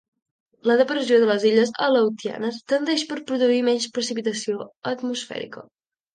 La depressió de les illes Aleutianes tendeix per produir menys precipitació atmosfèrica.